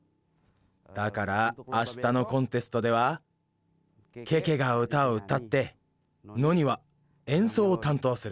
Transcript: だからあしたのコンテストではケケが歌を歌ってノニはえんそうをたんとうする。